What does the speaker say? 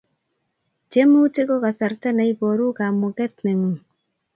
Tiemutik ko kasarta ne iporu kamuket nengung